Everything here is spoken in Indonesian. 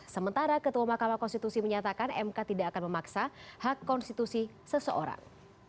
sementara ketua mahkamah konstitusi menyatakan mk tidak akan memaksa hak konstitusi seseorang